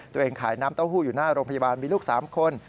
ตัวเองขายน้ำเต้าหู้อยู่หน้าโรงพยาบาลมีลูก๓คน